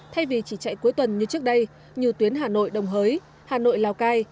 thay vì chỉ chạy cuối tuần như trước đây như tuyến hà nội đồng hới hà nội lào cai